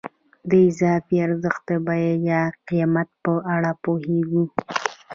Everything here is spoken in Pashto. د اضافي ارزښت د بیې یا قیمت په اړه پوهېږو